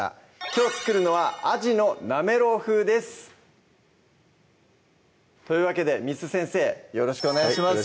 きょう作るのは「アジのなめろう風」ですというわけで簾先生よろしくお願いします